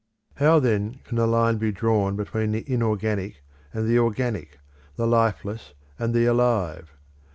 How then can a line be drawn between the inorganic and the organic, the lifeless and the alive?